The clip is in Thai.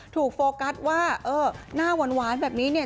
โฟกัสว่าเออหน้าหวานแบบนี้เนี่ย